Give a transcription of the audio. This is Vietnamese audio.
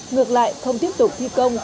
ngược lại không tiếp tục thi công